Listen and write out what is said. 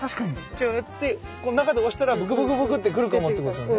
ジューってこう中で押したらブクブクブクってくるかもってことですよね？